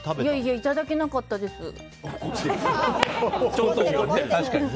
いやいやいただけなかったです。